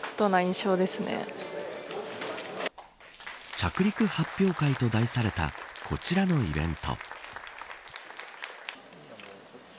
着陸発表会と題されたこちらのイベント。